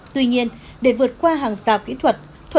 tuy nhiên để vượt qua hàng rào kỹ thuật